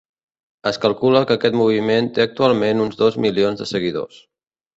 Es calcula que aquest moviment té actualment uns dos milions de seguidors.